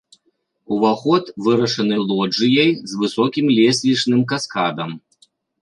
Уваход вырашаны лоджыяй з высокім лесвічным каскадам.